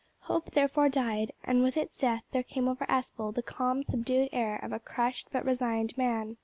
Hope therefore died, and with its death there came over Aspel the calm subdued air of a crushed but resigned man.